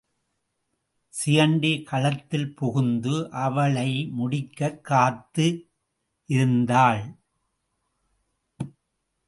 சிகண்டி களத்தில் புகுந்து அவனை முடிக்கக் காத்து இருந்தாள்.